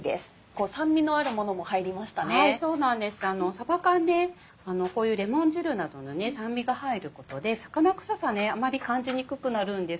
さば缶ねこういうレモン汁などの酸味が入ることで魚臭さあまり感じにくくなるんです。